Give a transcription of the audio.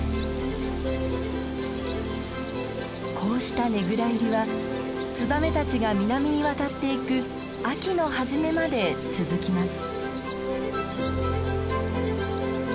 こうしたねぐら入りはツバメたちが南に渡っていく秋の初めまで続きます。